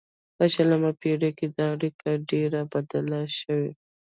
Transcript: په شلمه پیړۍ کې دا اړیکې ډیرې بدلې شوې